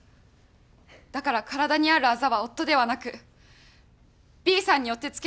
だから体にあるあざは夫ではなくＢさんによってつけられたものです。